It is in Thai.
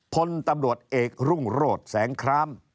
พลตำรวจเอกรุ่งโรธแสงคราม